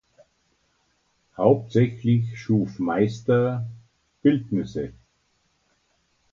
Hauptsächlich schuf Meister Bildnisse.